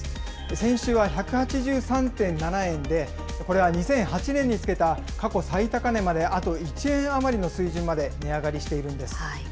先週は１８３．７円で、これは２００８年につけた過去最高値まであと１円余りの水準まで値上がりしているんです。